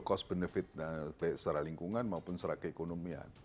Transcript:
cost benefit baik secara lingkungan maupun secara keekonomian